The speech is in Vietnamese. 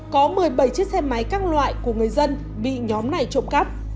có một mươi bảy chiếc xe máy các loại của người dân bị nhóm này trộm cắp